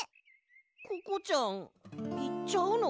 ココちゃんいっちゃうの？